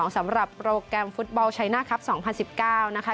สำหรับโปรแกรมฟุตบอลชัยหน้าครับ๒๐๑๙นะคะ